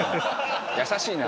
優しいな。